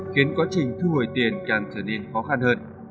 khiến quá trình thu hồi tiền càng trở nên khó khăn hơn